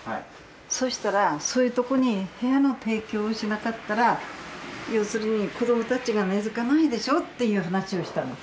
そうしたらそういうとこに部屋の提供をしなかったら要するに子どもたちが根づかないでしょっていう話をしたの。